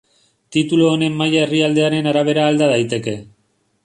Titulu honen maila herrialdearen arabera alda daiteke.